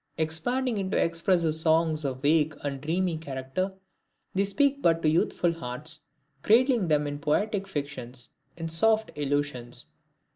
Expanding into expressive songs of vague and dreamy character, they speak but to youthful hearts, cradling them in poetic fictions, in soft illusions.